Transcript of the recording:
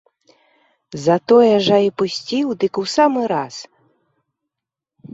Затое жа і пусціў дык у самы раз.